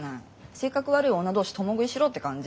性格悪い女同士共食いしろって感じ。